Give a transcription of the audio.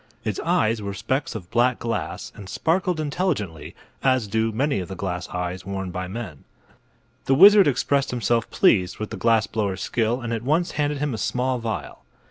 Its eyes were specks of black glass and sparkled intelligently, as do many of the glass eyes worn by men. The wizard expressed himself pleased with the glass blower's skill and at once handed him a small vial.